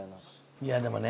いやでもね